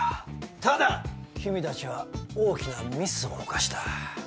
ただ君たちは大きなミスを犯した。